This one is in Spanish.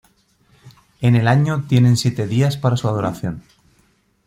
En el año tienen siete días para su adoración.